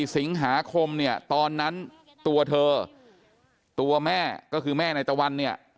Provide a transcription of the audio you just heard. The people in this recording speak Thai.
สิงหาคมเนี่ยตอนนั้นตัวเธอตัวแม่ก็คือแม่นายตะวันเนี่ย